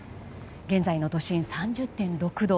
現在の都心、３０．６度。